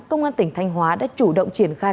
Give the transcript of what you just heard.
công an tỉnh thanh hóa đã chủ động triển khai